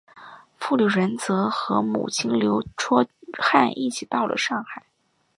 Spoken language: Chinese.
傅履仁则和母亲刘倬汉一起到了上海。